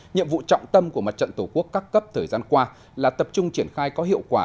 nhiệm vụ trọng tâm của mặt trận tổ quốc các cấp thời gian qua là tập trung triển khai có hiệu quả